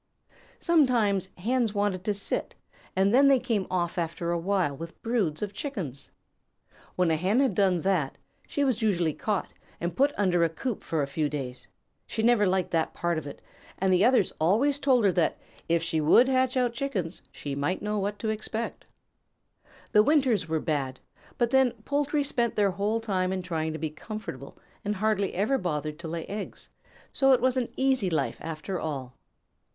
Sometimes Hens wanted to sit, and then they came off after a while with broods of Chickens. When a Hen had done that, she was usually caught and put under a coop for a few days. She never liked that part of it, and the others always told her that if she would hatch out Chickens she might know what to expect. The winters were bad, but then the poultry spent their whole time in trying to be comfortable and hardly ever bothered to lay eggs, so it was an easy life after all.